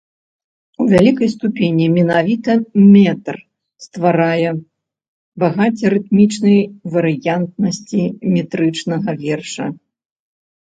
У вялікай ступені менавіта метр стварае багацце рытмічнай варыянтнасці метрычнага верша.